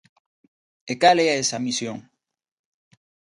¿E cal é esa misión?